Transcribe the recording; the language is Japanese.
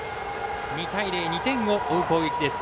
２対０、２点を追う攻撃です。